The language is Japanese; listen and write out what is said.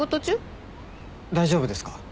大丈夫ですか？